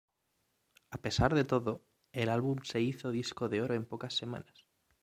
A pesar de todo, el álbum se hizo disco de oro en pocas semanas.